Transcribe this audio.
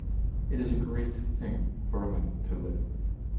It is a great thing for a man to live.